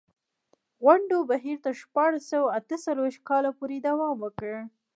غونډو بهیر تر شپاړس سوه اته څلوېښت کال پورې دوام وکړ.